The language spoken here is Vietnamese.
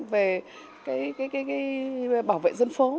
về cái bảo vệ dân phố